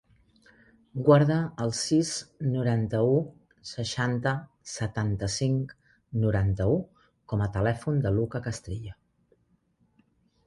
Guarda el sis, noranta-u, seixanta, setanta-cinc, noranta-u com a telèfon del Luka Castrillo.